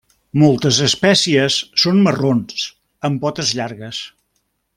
Moltes espècies són marrons amb potes llargues.